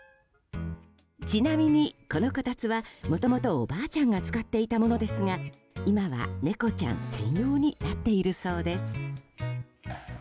ちなみに、このこたつはもともと、おばあちゃんが使っていたものですが今は、猫ちゃん専用になっているそうです。